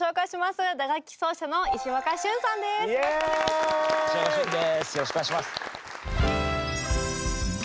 よろしくお願いします。